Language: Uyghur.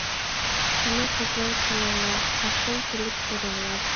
قىنى قىزلار كېلىڭلار، چاپسان كېلىپ كۆرۈڭلار.